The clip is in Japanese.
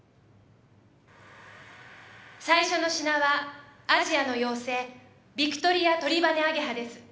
最初の品はアジアの妖精ビクトリアトリバネアゲハです。